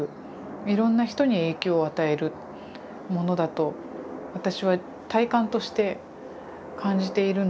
いろんな人に影響を与えるものだと私は体感として感じているんですね。